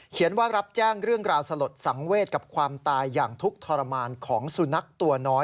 ว่ารับแจ้งเรื่องราวสลดสังเวทกับความตายอย่างทุกข์ทรมานของสุนัขตัวน้อย